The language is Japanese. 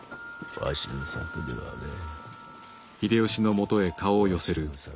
わしの策ではねえ。